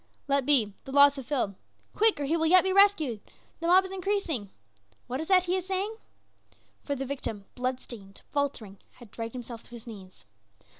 "Let be, the law is fulfilled. Quick, or he will yet be rescued the mob is increasing. What is that he is saying?" For the victim, blood stained, faltering, had dragged himself to his knees.